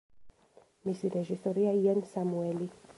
მისი რეჟისორია იან სამუელი.